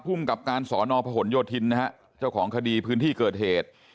กับการสอนอพหนโยธินนะฮะเจ้าของคดีพื้นที่เกิดเหตุ